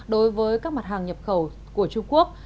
đối với các mặt hàng nhập khẩu của trung quốc